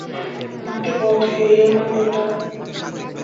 আমাকে বধ করিও না প্রতাপ!